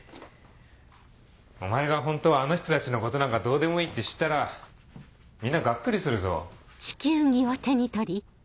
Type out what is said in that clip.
お前がホントはあの人たちのことなんかどうでもいいって知ったらみんなガックリするぞ。